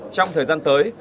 trong thời gian tới